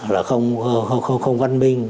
là không văn minh